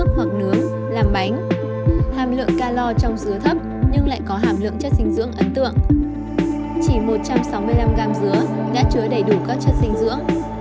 chỉ một trăm sáu mươi năm g dứa đã chứa đầy đủ các chất sinh dưỡng